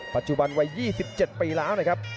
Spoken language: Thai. ปัจจุบันวัย๒๗ปีแล้วนะครับ